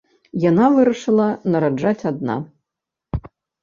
Яна вырашыла нараджаць адна.